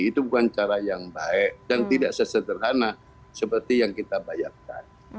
itu bukan cara yang baik dan tidak sesederhana seperti yang kita bayangkan